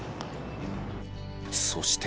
そして。